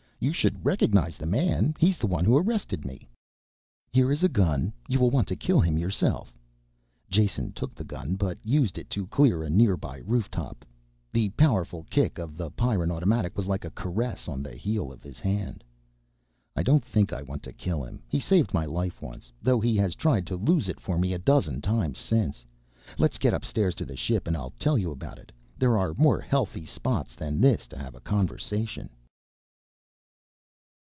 "You should recognize the man, he's the one who arrested me." "Here is a gun, you will want to kill him yourself." Jason took the gun, but used it to clear a nearby roof top, the powerful kick of the Pyrran automatic was like a caress on the heel of his hand. "I don't think I want to kill him. He saved my life once, though he has tried to lose it for me a dozen times since. Let's get upstairs to the ship and I'll tell you about it. There are more healthy spots than this to have a conversation."